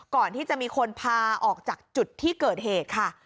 ก่อนที่จะมีคนพาออกจากจุดที่เกิดเหตุค่ะ